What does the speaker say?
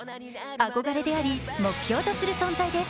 憧れであり目標とする存在です。